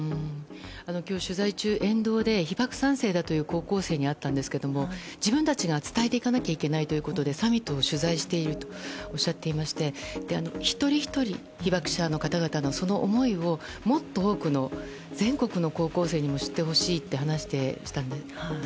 今日取材中、沿道で被爆３世だという高校生にあったんですが自分たちが伝えていかないといけないということでサミットを取材しているとおっしゃっていまして一人ひとり被爆者の方々のその思いをもっと多くの、全国の高校生にも知ってほしいと話していました。